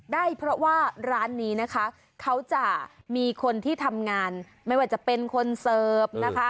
ได้เพราะว่าร้านนี้นะคะเขาจะมีคนที่ทำงานไม่ว่าจะเป็นคนเสิร์ฟนะคะ